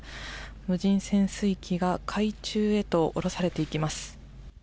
無人潜水機が海中へと下ろされていきます。